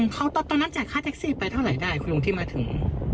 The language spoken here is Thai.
เขาตอนนั้นจ่ายค่าแท็กซี่ไปเท่าไหร่ได้คุณลุงที่มาถึง